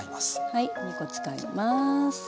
はい２コ使います。